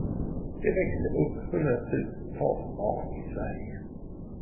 Det växte upp hundratusentals barn i Sverige.